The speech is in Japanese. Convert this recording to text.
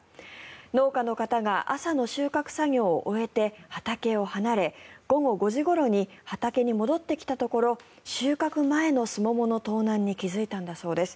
農家の方が朝の収穫作業を終えて畑を離れ午後５時ごろに畑に戻ってきたところ収穫前のスモモの盗難に気付いたんだそうです。